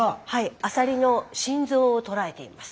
アサリの心臓をとらえています。